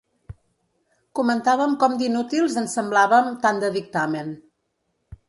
Comentàvem com d'inútils ens semblaven tant de dictamen.